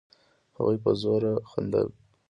هغوی په زوره خندل.